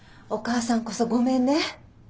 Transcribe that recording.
お母さんこそごめんね。